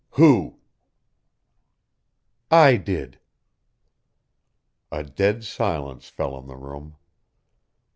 "Who?" "I did." A dead silence fell on the room.